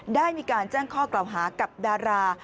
ได้มีการแจ้งข้อกล่าวหากับดารา